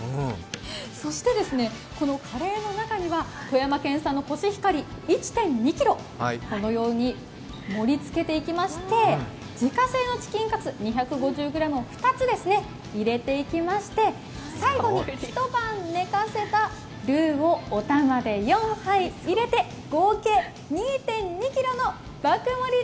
そして、カレーの中には富山県産のコシヒカリを１．２ｋｇこのように盛りつけていきまして自家製のチキンカツ２５０ｇを２つ入れていきまして、最後に一晩寝かせたルーをおたまで４杯入れて合計２．２ｋｇの爆盛り